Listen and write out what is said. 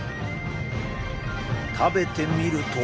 食べてみると。